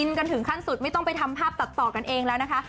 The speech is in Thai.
กันถึงขั้นสุดไม่ต้องไปทำภาพตัดต่อกันเองแล้วนะคะ